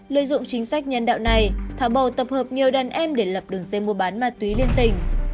lợi dụng chính sách nhân đạo này thả bò tập hợp nhiều đàn em để lập đường dây mua bán ma túy liên tình